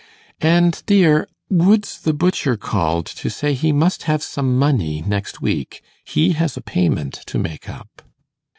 'And, dear, Woods the butcher called, to say he must have some money next week. He has a payment to make up.